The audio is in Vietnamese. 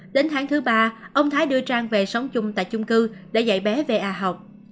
đến tháng thứ ba ông thái đưa trang về sống chung tại chung cư để dạy bé về a học